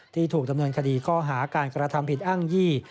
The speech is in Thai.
ถูกดำเนินคดีข้อหาการกระทำผิดอ้างยี่